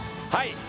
はい。